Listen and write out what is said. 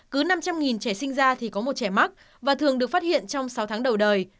cứ năm trăm linh trẻ sinh ra thì có một trẻ mắc và thường được phát hiện trong sáu tháng đầu đời